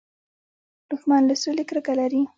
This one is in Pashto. دښمن له سولې کرکه لري